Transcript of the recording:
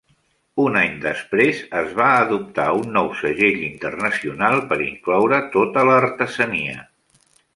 Un any després, es va adoptar un nou segell internacional per incloure tota la artesania.